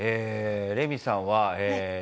レミさんはええー